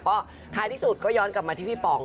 ก็ท้ายที่สุดก็ย้อนกลับมาที่พี่ป๋อง